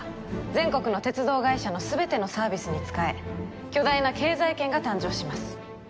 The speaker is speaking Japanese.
全国の鉄道会社の全てのサービスに使え巨大な経済圏が誕生します